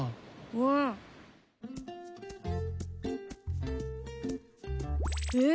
うん。えっ？